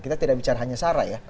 kita tidak bicara hanya sarah ya